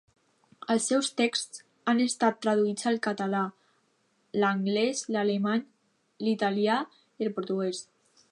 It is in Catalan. Els seus texts han estat traduïts al català, l'anglès, l'alemany, l'italià i el portuguès.